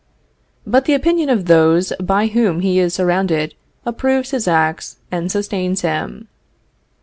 But the opinion of those by whom he is surrounded approves his acts and sustains him.